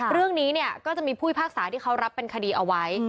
เรื่องนี้เนี่ยก็จะมีผู้พิพากษาที่เขารับเป็นคดีเอาไว้